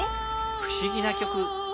不思議な曲。